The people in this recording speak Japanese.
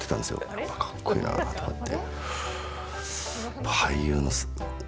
やっぱかっこいいなとかって。